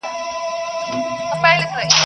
د پردي زوى نه خپله کر مېږنه لور لا ښه ده.